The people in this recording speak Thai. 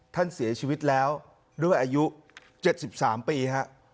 ท่านเสียชีวิตแล้วด้วยอายุเจ็ดสิบสามปีครับ